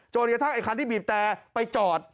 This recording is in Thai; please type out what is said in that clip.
โจรค่ะถ้ามีคันต้องบีบแต้ไปจอด